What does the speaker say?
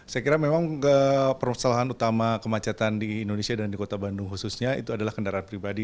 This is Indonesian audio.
saya kira memang permasalahan utama kemacetan di indonesia dan di kota bandung khususnya itu adalah kendaraan pribadi